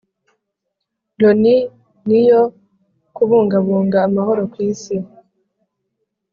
loni niyo kubungabunga amahoro ku isi